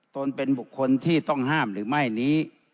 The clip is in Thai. ตนเป็นบุคคลที่ต้องห้ามหรือไม่นี้